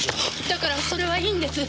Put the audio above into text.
だからそれはいいんです。